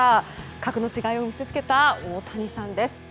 格の違いを見せつけた大谷さんです。